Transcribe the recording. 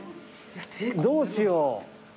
どうしよう。